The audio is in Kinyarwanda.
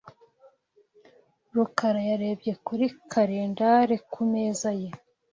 rukara yarebye kuri kalendari ku meza ye .